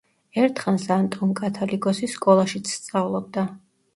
ერთხანს ანტონ კათალიკოსის სკოლაშიც სწავლობდა.